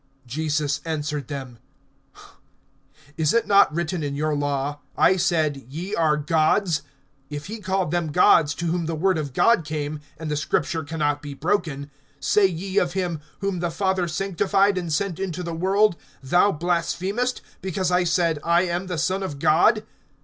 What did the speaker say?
(34)Jesus answered them: Is it not written in your law, I said, Ye are gods? (35)If he called them gods to whom the word of God came, and the Scripture can not be broken, (36)say ye of him, whom the Father sanctified, and sent into the world, Thou blasphemest, because I said, I am the Son of God?